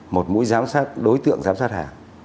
một mũi giám sát đối tượng giám sát hàng